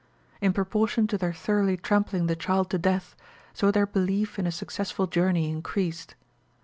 In proportion to their thoroughly trampling the child to death, so their belief in a successful journey increased.